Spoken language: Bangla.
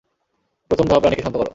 প্রথম ধাপ, রাণীকে শান্ত করো।